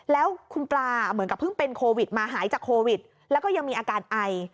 แล้วคุณปลาเหมือนกับเพิ่งเป็นโควิดมาหายจากโควิดแล้วก็ยังมีอาการไอ